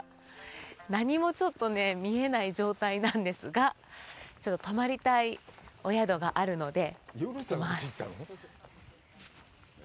何もちょっとね、見えない状態なんですが、ちょっと泊まりたいお宿があるので、来てます。